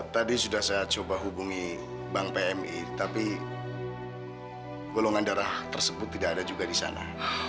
tadi sudah saya coba hubungi bank pmi tapi golongan darah tersebut tidak ada juga di sana